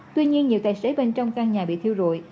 tuy nhiên nhiều tài sản bên trong căn nhà bị thiêu rùi